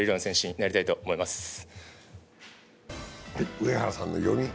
上原さんの読み。